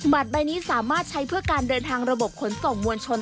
ใบนี้สามารถใช้เพื่อการเดินทางระบบขนส่งมวลชน